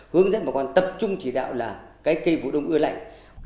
hướng dẫn bà con tập trung chỉ đạo là cái cây vụ đông ưa lạnh